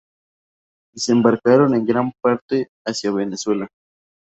Y se embarcaron en gran parte hacia Venezuela.